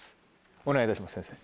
お願いいたします先生。